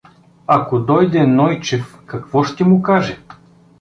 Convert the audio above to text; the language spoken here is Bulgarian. Ако дойде Нойчев, какво ще му каже?